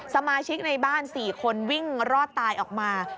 สมาชิกในบ้าน๔คนวิ่งรอดตายออกมา